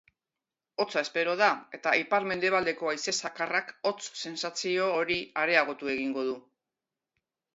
Hotza espero da, eta ipar-mendebaldeko haize zakarrak hotz-sentzazio hori areagotu egingo du.